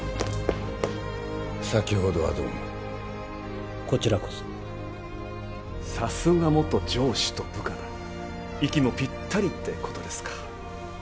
先ほどはどうもこちらこそさすが元上司と部下だ息もぴったりってことですか